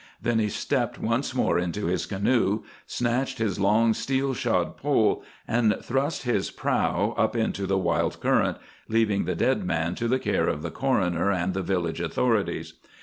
Then he stepped once more into his canoe, snatched his long, steel shod pole, and thrust his prow up into the wild current, leaving the dead man to the care of the coroner and the village authorities.